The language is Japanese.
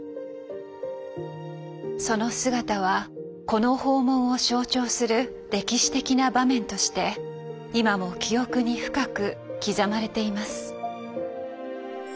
その姿はこの訪問を象徴する歴史的な場面として今も記憶に深く刻まれています。